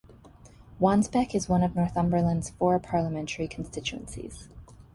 Wansbeck is one of Northumberland's four Parliamentary constituencies.